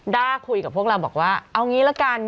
้าคุยกับพวกเราบอกว่าเอางี้ละกัน